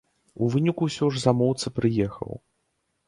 У выніку ўсё ж замоўца прыехаў.